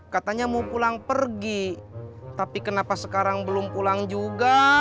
katanya mau pulang pergi tapi kenapa sekarang belum pulang juga